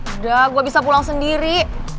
udah gue bisa pulang sendiri